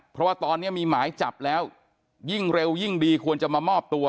เพราะว่าตอนนี้มีหมายจับแล้วยิ่งเร็วยิ่งดีควรจะมามอบตัว